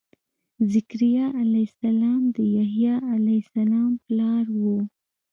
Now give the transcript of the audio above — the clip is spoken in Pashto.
ذکریا علیه السلام د یحیا علیه السلام پلار و.